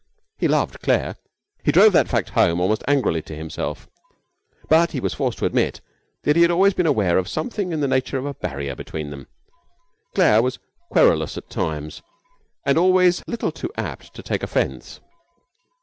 He loved Claire he drove that fact home almost angrily to himself but he was forced to admit that he had always been aware of something in the nature of a barrier between them. Claire was querulous at times, and always a little too apt to take offence.